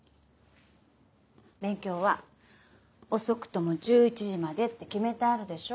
勉強は遅くとも１１時までって決めてあるでしょ？